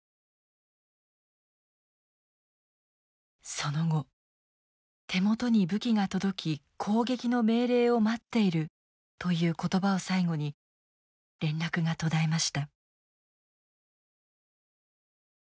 その後手元に武器が届き攻撃の命令を待っているという言葉を最後に連絡が途絶えました。